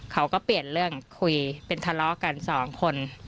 เขาก็เปลี่ยนเรื่องคุยเป็นทะเลาะกันสองคน